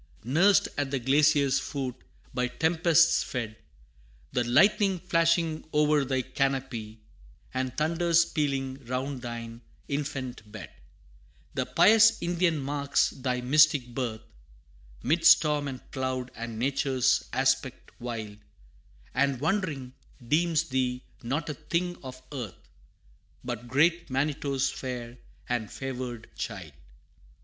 Nursed at the glacier's foot by tempests fed The lightning flashing o'er thy canopy, And thunders pealing round thine infant bed The pious Indian marks thy mystic birth, 'Mid storm and cloud, and nature's aspect wild And wondering, deems thee not a thing of earth, But great Manitto's fair and favored child.